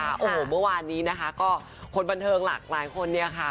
โอ้โหเมื่อวานนี้นะคะก็คนบันเทิงหลากหลายคนเนี่ยค่ะ